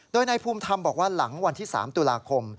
โดยนายภูมิธรรมบอกว่าหลังวันที่๓ตุลาคม